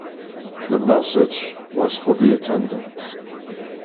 The message was for the attendant.